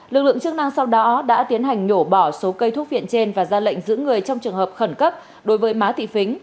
lực lượng chức năng sau đó đã tiến hành nhổ bỏ số cây thuốc viện trên và ra lệnh giữ người trong trường hợp khẩn cấp đối với má thị